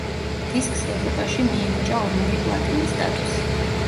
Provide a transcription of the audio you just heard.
დისკს ევროპაში მიენიჭა ორმაგი პლატინის სტატუსი.